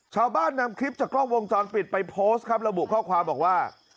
ชาวบ้านนำคลิปจากกล้องวงจรปิดไปโพสต์ครับระบุข้อความบอกว่า